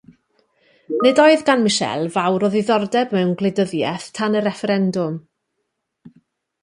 Nid oedd gan Michelle fawr o ddiddordeb mewn gwleidyddiaeth tan y refferendwm.